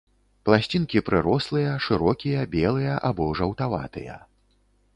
Пласцінкі прырослыя, шырокія, белыя або жаўтаватыя.